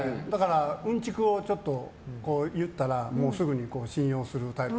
うんちくを言ったらすぐに信用するタイプ。